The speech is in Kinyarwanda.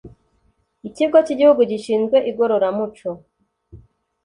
Ikigo cy Igihugu gishinzwe Igororamuco.